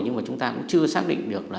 nhưng mà chúng ta cũng chưa xác định được